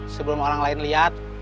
sebelum orang lain lihat